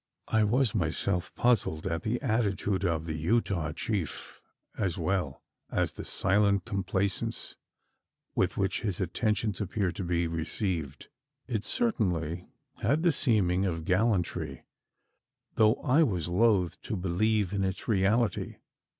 I was myself puzzled at the attitude of the Utah chief as well as the silent complaisance with which his attentions appeared to be received. It certainly had the seeming of gallantry though I was loth to believe in its reality.